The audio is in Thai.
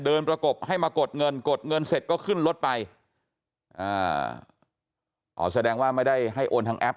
ประกบให้มากดเงินกดเงินเสร็จก็ขึ้นรถไปอ่าอ๋อแสดงว่าไม่ได้ให้โอนทางแอป